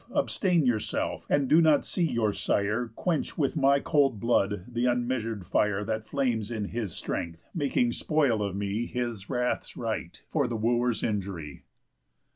Abstain yourself, and do not see your sire Quench with my cold blood the unmeasur'd fire That flames in his strength, making spoil of me, His wrath's right, for the Wooers' injury."